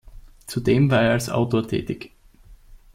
Zudem war er als Autor tätig.